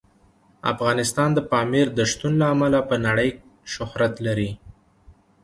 افغانستان د پامیر د شتون له امله په نړۍ شهرت لري.